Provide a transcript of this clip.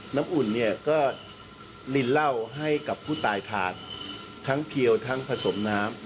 อุ่นเนี่ยก็ลินเหล้าให้กับผู้ตายทานทั้งเพียวทั้งผสมน้ำ